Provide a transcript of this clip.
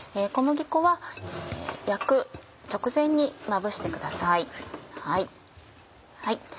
小麦粉は焼く直前にまぶしてください。